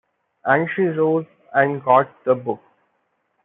And she rose and got the books.